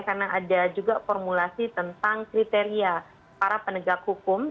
karena ada juga formulasi tentang kriteria para penegak hukum